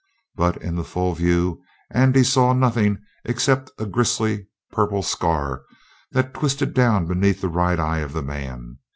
But in the full view Andy saw nothing except a grisly, purple scar that twisted down beneath the right eye of the man.